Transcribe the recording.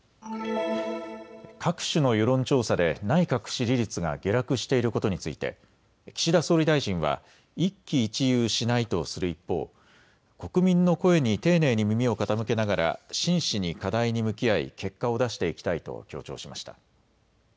各種の世論調査で内閣支持率が下落していることについて岸田総理大臣は一喜一憂しないとする一方、国民の声に丁寧に耳を傾けながら真摯に課題に向き合い結果を出していきたいと強調しました。